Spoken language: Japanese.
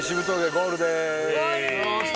ゴールでーす。